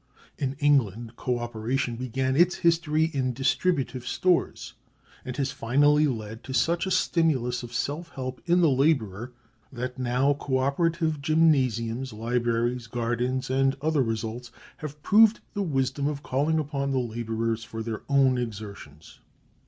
In England co operation began its history in distributive stores, and has finally led to such a stimulus of self help in the laborer, that now co operative gymnasiums, libraries, gardens, and other results have proved the wisdom of calling upon the laborers for their own exertions.